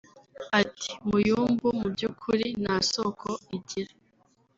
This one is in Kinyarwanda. Ati "Muyumbu mu by’ukuri nta soko igira